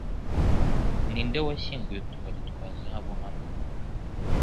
Ninde washyinguye utubari twa zahabu hano?